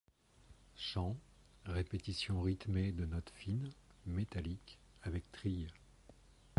Chant, répétition rythmée de notes fines, métalliques, avec trilles.